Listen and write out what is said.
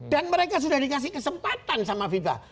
dan mereka sudah dikasih kesempatan sama viva